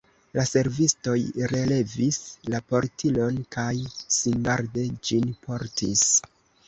La servistoj relevis la portilon kaj singarde ĝin portis.